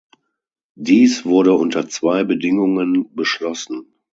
Dies wurde unter zwei Bedingungen beschlossen.